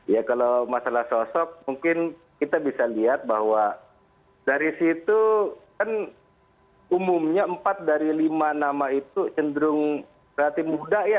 ya kalau masalah sosok mungkin kita bisa lihat bahwa dari situ kan umumnya empat dari lima nama itu cenderung berarti muda ya